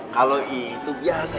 kalau itu biasa